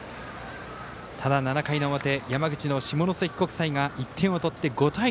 ただ、７回の表山口の下関国際が１点を取って５対２。